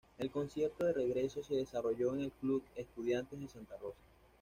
El concierto de regreso se desarrolló en el Club Estudiantes de Santa Rosa.